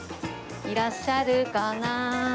いらっしゃるかな？